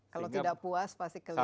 kalau tidak puas pasti keliru